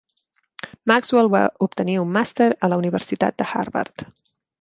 Maxwell va obtenir un màster a la Universitat de Harvard.